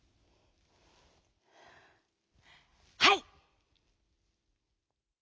「はい！」。